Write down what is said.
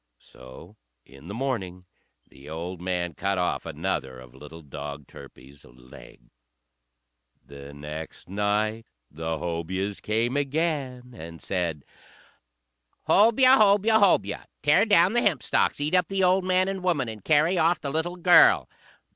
So in the morning the old man cut off another of little dog Turpie's legs. The next night the Hobyahs came again, and said, "Hobyah! Hobyah! Hobyah! Tear down the hempstalks, eat up the old man and woman, and carry off the little girl!"